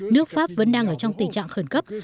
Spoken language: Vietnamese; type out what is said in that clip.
nước pháp vẫn đang ở trong tình trạng khẩn cấp